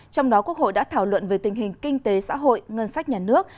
trong đó quốc hội đã thảo luận về tình hình kinh tế xã hội ngân sách nhà nước